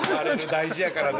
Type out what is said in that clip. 大事やからね。